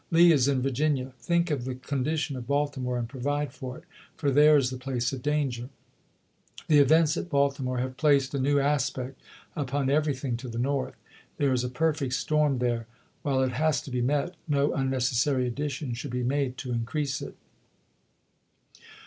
Lee is in Virginia. Think of the con chap. vii. dition of Baltimore and provide for it, for there is the place of danger. The events at Baltimore have placed a new aspect upon everything to the North. There is campbeii a perfect storm there. While it has to be met, no un .*" ^^■"^jf.*, __,, iTTi Ti* *j Apl. 23jl8ol» necessary addition should be made to increase it.